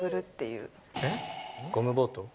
ゴムボート？